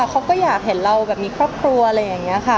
เขาก็อยากเห็นเราแบบมีครอบครัวอะไรอย่างนี้ค่ะ